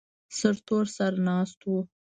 سرتور سر ناست و.